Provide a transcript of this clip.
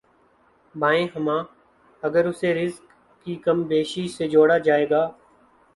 بایں ہمہ، اگر اسے رزق کی کم بیشی سے جوڑا جائے گا۔